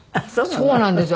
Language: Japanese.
そうなんですよ。